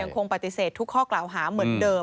คงปฏิเสธทุกข้อกล่าวหาเหมือนเดิม